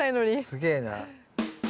すげえな。